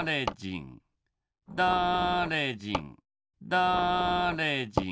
だれじん